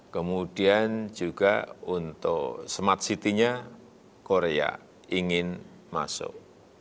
kemudian juga untuk smart city nya korea ingin masuk